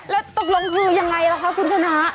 แล้วตกลงคือยังไงล่ะคะคุณชนะ